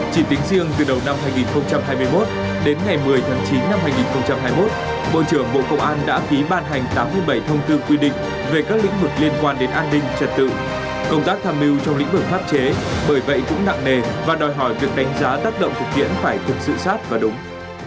chỉ tính riêng từ đầu năm hai nghìn hai mươi một đến ngày một mươi tháng chín năm hai nghìn hai mươi một bộ trưởng bộ công an đã ký ban hành tám mươi bảy thông tư quy định về các lĩnh vực liên quan đến an ninh trật tự công tác tham mưu trong lĩnh vực pháp chế bởi vậy cũng nặng nề và đòi hỏi việc đánh giá tác động thực tiễn phải thực sự sát và đúng